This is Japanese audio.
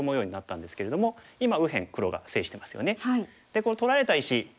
でこの取られた石。